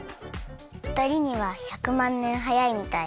ふたりには１００まんねんはやいみたい。